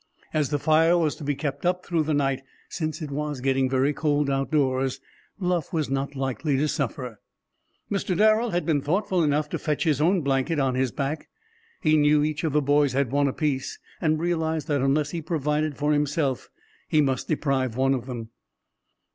As the fire was to be kept up through the night, since it was getting very cold outdoors, Bluff was not likely to suffer. Mr. Darrel had been thoughtful enough to fetch his own blanket on his back. He knew each of the boys had one apiece, and realized that unless he provided for himself he must deprive one of them.